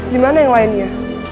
dimana yang lainnya